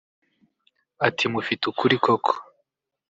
ati “mufite ukuri koko